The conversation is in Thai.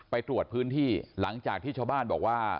ไปตรวจพื้นที่หลังจากที่ชาวบ้านบอกว่า